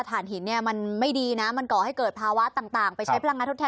ฐานหินเนี่ยมันไม่ดีนะมันก่อให้เกิดภาวะต่างไปใช้พลังงานทดแทน